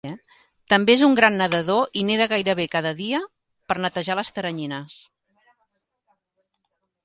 També és un gran nedador i neda gairebé cada dia "per netejar les teranyines".